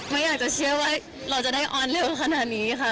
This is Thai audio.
ไม่อยากจะเชื่อว่าเราจะได้ออนเร็วขนาดนี้ค่ะ